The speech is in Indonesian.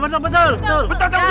ya betul betul